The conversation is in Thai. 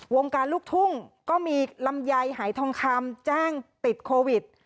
วงการลูกทุ่งก็มีลำไยหายทองคำแจ้งติดโควิด